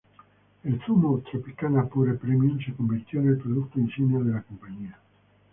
El zumo, "Tropicana Pure Premium", se convirtió en el producto insignia de la compañía.